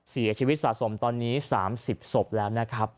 เสียชีวิตสะสมตอนนี้๓๐ศพแล้วนะครับ